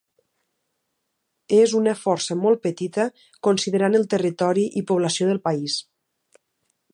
És una força molt petita considerant el territori i població del país.